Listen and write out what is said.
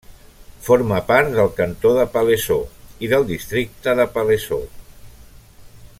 Forma part del cantó de Palaiseau i del districte de Palaiseau.